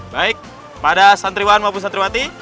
baik pada santriwan maupun santriwati